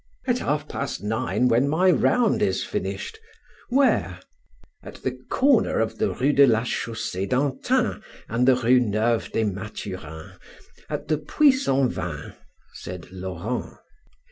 "At half past nine, when my round is finished Where?" "At the corner of the Rue de la Chaussee d'Antin and the Rue Neuve des Mathurins, at the Puits sans Vin," said Laurent.